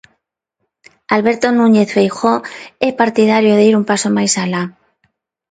Alberto Núñez Feijóo é partidario de ir un paso máis alá.